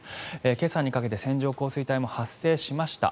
今朝にかけて線状降水帯も発生しました。